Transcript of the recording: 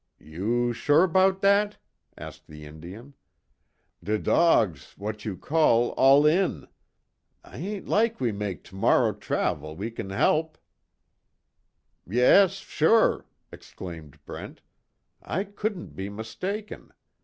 "You sure 'bout dat'?." asked the Indian. "De dogs, w'at you call, all in. I ain' lak' we mak mor' travel we kin help." "Yes sure," exclaimed Brent, "I couldn't be mistaken.